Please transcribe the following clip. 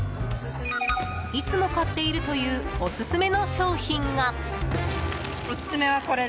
いつも買っているというオススメの商品が。